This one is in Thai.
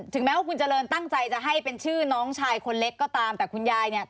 แม้ว่าคุณเจริญตั้งใจจะให้เป็นชื่อน้องชายคนเล็กก็ตามแต่คุณยายเนี่ย